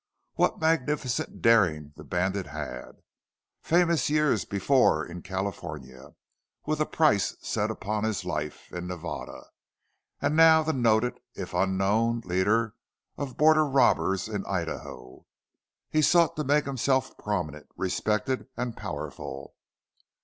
What magnificent daring the bandit had! Famous years before in California with a price set upon his life in Nevada and now the noted, if unknown, leader of border robbers in Idaho, he sought to make himself prominent, respected, and powerful.